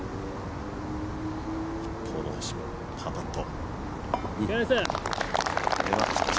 一方の星野パーパット。